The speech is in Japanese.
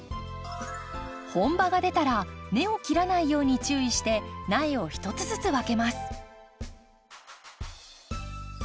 本葉が出たら根を切らないように注意して苗を１つずつ分けます。